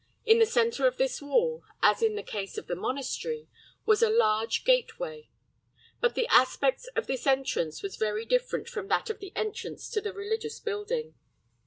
In the centre of this wall, as in the case of the monastery, was a large gateway; but the aspect of this entrance was very different from that of the entrance to the religious building.